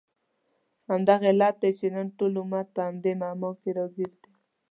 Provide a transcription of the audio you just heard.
همدغه علت دی چې نن ټول امت په همدې معما کې راګیر دی.